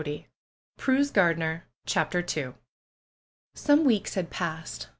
184 PRUE'S GARDENER CHAPTER n \ Some weeks had passed.